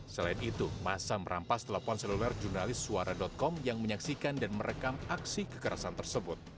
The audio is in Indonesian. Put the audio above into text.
selain itu masa merampas telepon seluler jurnalis suara com yang menyaksikan dan merekam aksi kekerasan tersebut